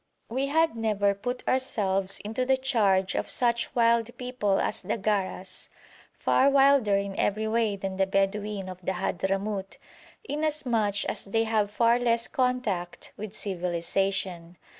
We had never put ourselves into the charge of such wild people as the Garas far wilder in every way than the Bedouin of the Hadhramout, inasmuch as they have far less contact with civilisation.